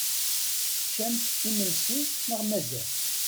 Teččamt imensi neɣ mazal?